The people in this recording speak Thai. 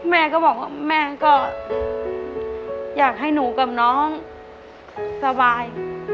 แม่ก็บอกว่าแม่ก็อยากให้หนูกับน้องสบาย